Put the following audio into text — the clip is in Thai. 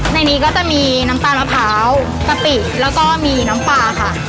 ในนี้ก็จะมีน้ำตาลมะพร้าวกะปิแล้วก็มีน้ำปลาค่ะ